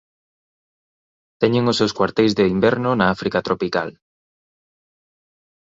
Teñen os seus cuarteis de inverno na África tropical.